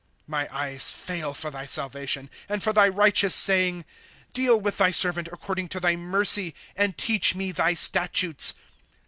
■^ My eyes fail for thy salvation, And for thy righteous saying, * Deal with thy servant according to thy mercy, And teach me thy statutes.